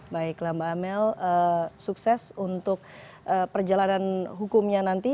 baiklah mbak amel sukses untuk perjalanan hukumnya nanti